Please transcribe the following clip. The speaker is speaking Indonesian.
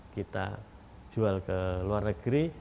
kita jual ke luar negeri